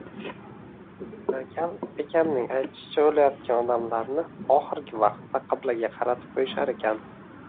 Bir gal bekamning aytishicha, o‘layotgan odamlarni oxirgi vaqtda qiblaga qaratib qo‘yishar ekan.